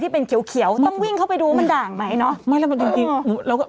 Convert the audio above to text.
แต่เอาเป็นว่าณตอนนี้ก็คือแม่คะก็คือ